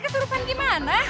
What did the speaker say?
keserupan di mana